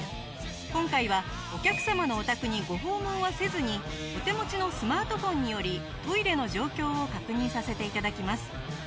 今回はお客様のお宅にご訪問はせずにお手持ちのスマートフォンによりトイレの状況を確認させて頂きます。